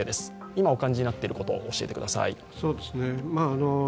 今お感じになっていることを教えてください。